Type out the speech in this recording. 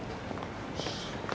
よし。